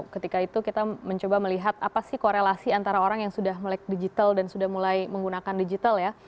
ketika itu kita mencoba melihat apa sih korelasi antara orang yang sudah melek digital dan sudah mulai menggunakan digital ya